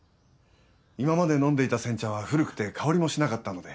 今まで飲んでいた煎茶は古くて香りもしなかったので。